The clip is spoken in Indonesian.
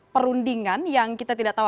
perundingan yang kita tidak tahu